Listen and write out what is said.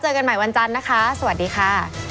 กันใหม่วันจันทร์นะคะสวัสดีค่ะ